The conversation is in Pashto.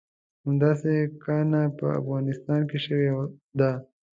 همداسې کانه په افغانستان کې شوې ده.